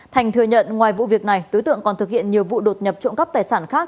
thành thừa nhận ngoài vụ việc này đối tượng còn thực hiện nhiều vụ đột nhập trộm cắp tài sản khác